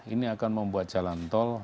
ini akan membuat jalan tol